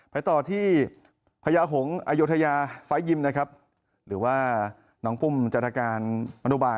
ไปต่อที่พญาโหงอโยธยาฝัยยิมหรือว่าน้องปุ้มจัดการมณุบาล